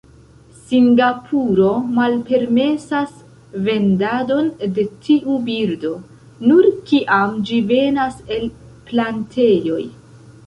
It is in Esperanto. Singapuro malpermesas vendadon de tiu birdo, nur kiam ĝi venas el plantejoj.